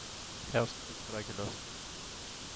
Hearst wird freigelassen.